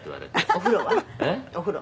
「お風呂は？お風呂」